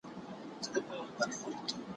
مګر سوځي یو د بل کلي کورونه